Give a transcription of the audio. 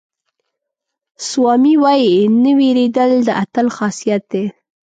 سوامي وایي نه وېرېدل د اتل خاصیت دی.